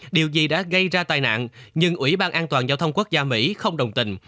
điều gì đã gây ra tai nạn nhưng ủy ban an toàn giao thông quốc gia mỹ không đồng tình